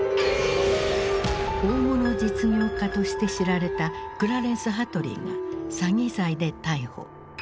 大物実業家として知られたクラレンス・ハトリーが詐欺罪で逮捕。